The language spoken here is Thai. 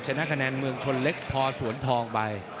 ชนะคะแนนเมืองชนเล็กพอสวนทองไป